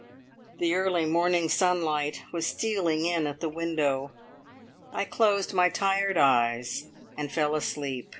The early morning sunlight was stealing in at the window. I closed my tired eyes and fell asleep.